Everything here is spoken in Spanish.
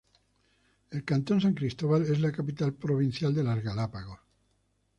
El Cantón San Cristóbal es la capital provincial de Galápagos.